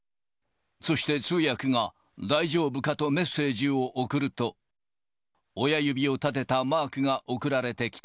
そして通訳が大丈夫か？とメッセージを送ると、親指を立てたマークが送られてきた。